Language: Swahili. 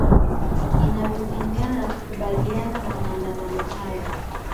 inavyopingana na kukubaliana na maandamano hayo